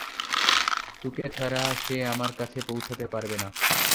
তুকে ছাড়া, সে আমার কাছে পৌঁছাতে পারবে না।